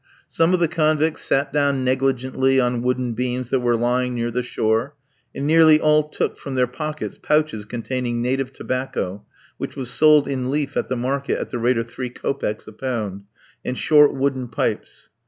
Some of the convicts sat down negligently on wooden beams that were lying near the shore, and nearly all took from their pockets pouches containing native tobacco which was sold in leaf at the market at the rate of three kopecks a pound and short wooden pipes.